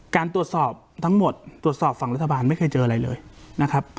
การตรวจสอบทั้งหมดตรวจสอบฝั่งรัฐบาลไม่เคยเจออะไรเลยนะครับ